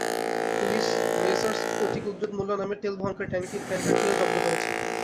Police messrs ওটি কুদরত মোল্লাহ নামের তেল বহনকারী ট্যাংকারটিও জব্দ করেছে।